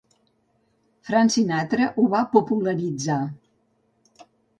Frank Sinatra ho va popularitzar.